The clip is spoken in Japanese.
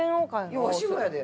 いやわしもやで。